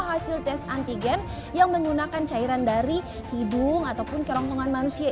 hasil tes antigen yang menggunakan cairan dari hidung ataupun kerongkongan manusia